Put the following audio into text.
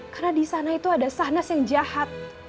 karena di sana itu ada sahnas yang jahat